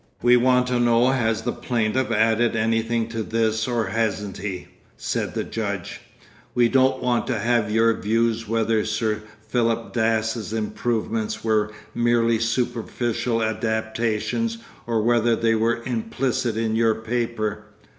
'We want to know has the plaintiff added anything to this or hasn't he?' said the judge, 'we don't want to have your views whether Sir Philip Dass's improvements were merely superficial adaptations or whether they were implicit in your paper.